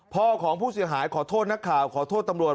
พ่อของผู้เสียหายขอโทษนักข่าวขอโทษตำรวจ